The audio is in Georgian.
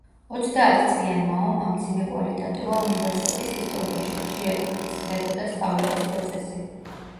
ოცდაათწლიანმა ომმა მძიმე კვალი დატოვა უნივერსიტეტის ისტორიაში, ხშირად წყდებოდა სწავლების პროცესი.